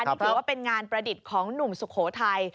นี่ถือว่าเป็นงานประดิษฐ์ของหนุ่มสุโขทัย